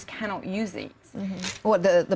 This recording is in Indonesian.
mereka tidak bisa menggunakannya